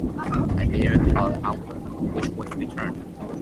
I bade her aloha, which she returned.